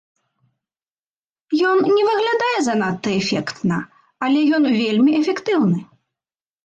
Ён не выглядае занадта эфектна, але ён вельмі эфектыўны.